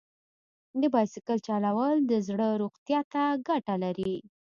د بایسکل چلول د زړه روغتیا ته ګټه لري.